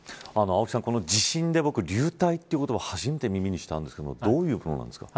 青木さん、地震で流体という言葉を初めて耳にしたんですがどういうものなんですか。